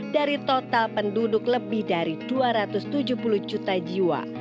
dari total penduduk lebih dari dua ratus tujuh puluh juta jiwa